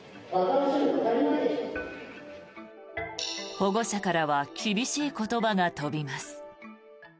保護者からは厳しい言葉が飛びます。